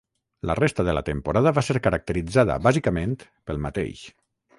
La resta de la temporada va ser caracteritzada bàsicament pel mateix.